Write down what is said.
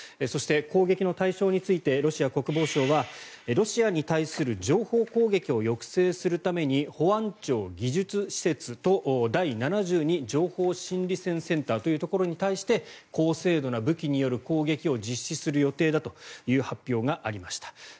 そして、攻撃の対象についてロシア国防省はロシアに対する情報攻撃を抑制するために保安庁技術施設と第７２情報心理戦センターというところに対して高精度な武器による攻撃を実施する予定だという発表がありました。